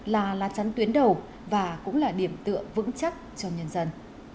là lá chắn tuyến đầu và cũng là điểm tựa vững chắc cho nhân dân